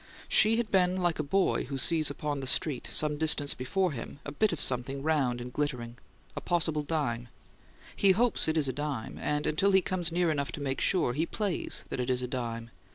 She had been like a boy who sees upon the street, some distance before him, a bit of something round and glittering, a possible dime. He hopes it is a dime, and, until he comes near enough to make sure, he plays that it is a dime.